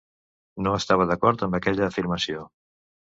No estava d'acord amb aquella afirmació.